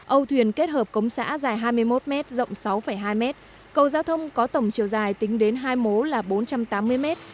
âu thuyền kết hợp cống xã dài hai mươi một m rộng sáu hai mét cầu giao thông có tổng chiều dài tính đến hai mố là bốn trăm tám mươi mét